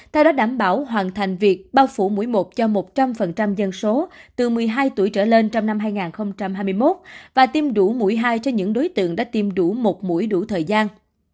theo đó đảm bảo hoàn thành việc bao phủ mũi một cho một trăm linh dân số từ một mươi hai tuổi trở lên trong năm hai nghìn hai mươi một và tiêm đủ mũi hai cho những đối tượng đã tiêm đủ một mũi đủ thời gian